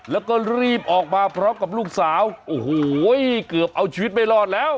แล้วก็รีบออกมาพร้อมกับลูกสาวโอ้โหเกือบเอาชีวิตไม่รอดแล้ว